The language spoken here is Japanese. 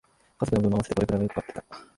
家族の分も合わせてこれくらいはよく買ってた